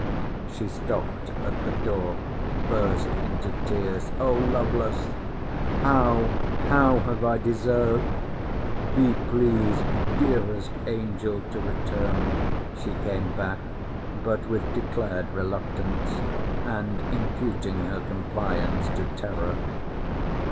She stopt at the door; burst into tears—O Lovelace!—How, how, have I deserved—— Be pleased, dearest angel, to return. She came back—but with declared reluctance; and imputing her compliance to terror.